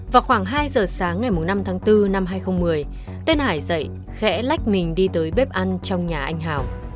vào khoảng hai giờ sáng ngày năm tháng bốn năm hai nghìn một mươi tên hải dậy khẽ lách mình đi tới bếp ăn trong nhà anh hào